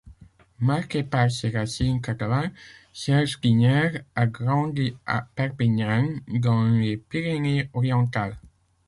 Marqué par ses racines catalanes, Serge Tignères a grandi à Perpignan, dans les Pyrénées-Orientales.